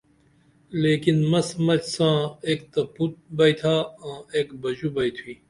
لیکن مس مچ ساں اِک تہ پُت بیئتھا آں اِک بہ ژُو بیئتھوئی